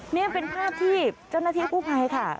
นี่เป็นภาพที่เจ้าหน้าที่กู้ภัยค่ะ